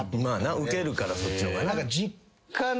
ウケるからそっちの方が。